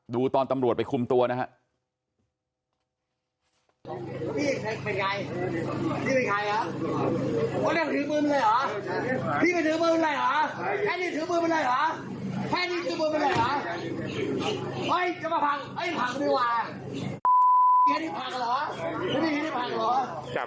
ดูตอนตำรวจไปคุมตัวนะครับ